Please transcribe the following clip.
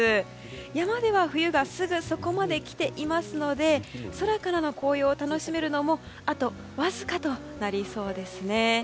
山では冬がすぐそこまで来ていますので空からの紅葉を楽しめるのもあとわずかとなりそうですね。